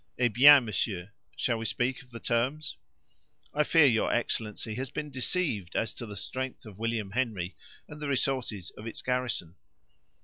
Eh bien, monsieur! shall we speak of the terms?" "I fear your excellency has been deceived as to the strength of William Henry, and the resources of its garrison!"